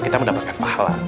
kita mendapatkan pahala